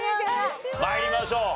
参りましょう。